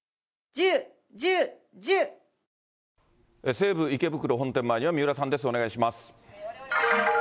西武池袋本店前には三浦さんです、お願いします。